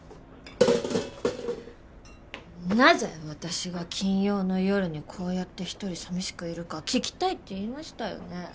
なぜ私が金曜の夜にこうやって一人さみしくいるか聞きたいって言いましたよね？